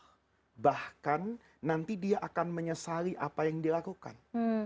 nah bahkan nanti dia akan menyesali apa yang dilakukan